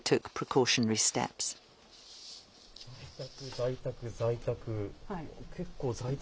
在宅、在宅、在宅。